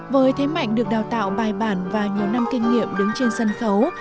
với thế mạnh được đào tạo bài bản và nhiều năm kinh nghiệm đứng trên sân khấu